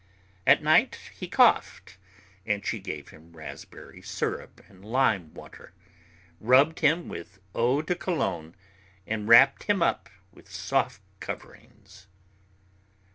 At night he coughed, and she gave him raspberry syrup and lime water, rubbed him with eau de Cologne, and wrapped him up in soft coverings.